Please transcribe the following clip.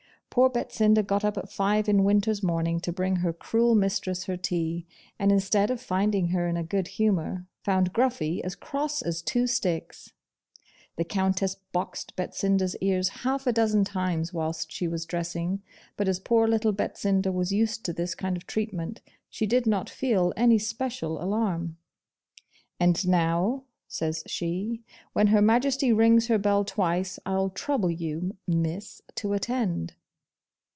Poor Betsinda got up at five in winter's morning to bring her cruel mistress her tea; and instead of finding her in a good humour, found Gruffy as cross as two sticks. The Countess boxed Betsinda's ears half a dozen times whilst she was dressing; but as poor little Betsinda was used to this kind of treatment, she did not feel any special alarm. 'And now,' says she, 'when Her Majesty rings her bell twice, I'll trouble you, miss, to attend.